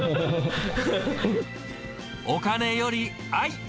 お金より愛。